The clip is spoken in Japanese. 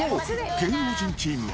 芸能人チームは。